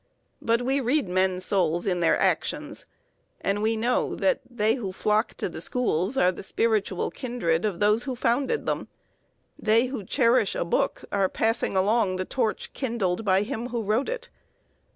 But we read men's souls in their actions, and we know that they who flock to the schools are the spiritual kindred of those who founded them; they who cherish a book are passing along the torch kindled by him who wrote it.